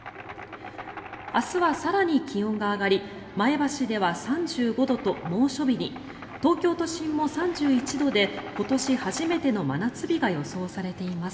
明日は更に気温が上がり前橋では３５度と猛暑日に東京都心も３１度で今年初めての真夏日が予想されています。